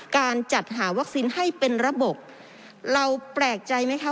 การจัดหาวัคซีนให้เป็นระบบเราแปลกใจไหมคะ